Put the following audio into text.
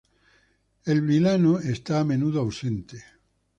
El vilano está a menudo ausente.